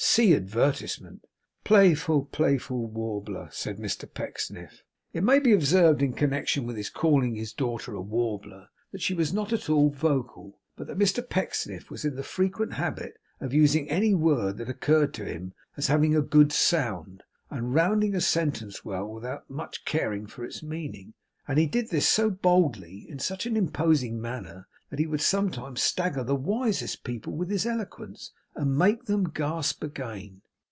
'See advertisement!' 'Playful playful warbler,' said Mr Pecksniff. It may be observed in connection with his calling his daughter a 'warbler,' that she was not at all vocal, but that Mr Pecksniff was in the frequent habit of using any word that occurred to him as having a good sound, and rounding a sentence well without much care for its meaning. And he did this so boldly, and in such an imposing manner, that he would sometimes stagger the wisest people with his eloquence, and make them gasp again.